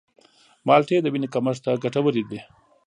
مالټې د وینې کمښت ته ګټورې دي.